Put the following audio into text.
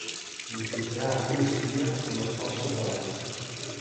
Infiltrar un espia en les forces rebels.